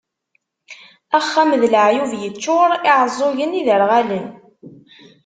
Axxam d leɛyub yeččur, iɛeẓẓugen, iderɣalen.